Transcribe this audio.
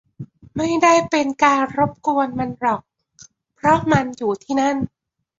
ไม่ได้เป็นการรบกวนมันหรอก เพราะมันอยู่ที่นั่น